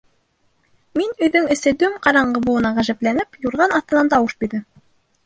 Мин өйҙөң эсе дөм-ҡараңғы булыуына ғәжәпләнеп, юрған аҫтынан тауыш бирҙем.